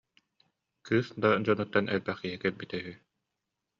Кыыс да дьонуттан элбэх киһи кэлбитэ үһү